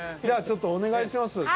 じゃあちょっとお願いします